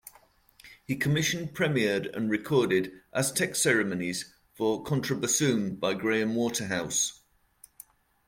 He commissioned, premiered and recorded "Aztec Ceremonies" for contrabassoon by Graham Waterhouse.